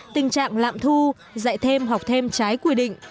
tình trạng lạm thu dạy thêm học thêm trái quy định